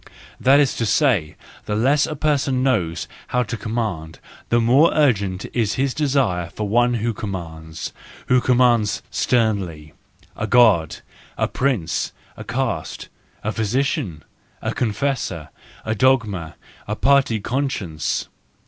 That is to say, the less a person knows how to command, the more urgent is his desire for one who commands, who commands sternly,—a God, a prince, a caste, a physician, a confessor, a dogma, a party conscience.